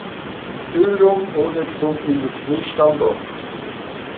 Styrum wurde zum Industriestandort.